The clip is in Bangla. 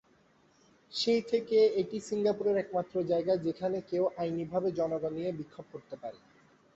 সেই থেকে, এটি সিঙ্গাপুরে একমাত্র জায়গা যেখানে কেউ আইনিভাবে জনগণ নিয়ে বিক্ষোভ করতে পারে।